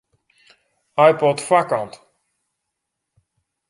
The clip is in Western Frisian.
iPod foarkant.